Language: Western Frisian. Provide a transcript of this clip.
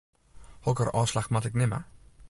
Hokker ôfslach moat ik nimme?